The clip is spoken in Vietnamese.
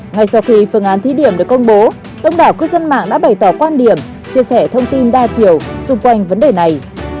ngay sau khi phương án thí điểm được công bố đông đảo cư dân mạng đã bày tỏ quan điểm chia sẻ thông tin đa chiều xung quanh vấn đề này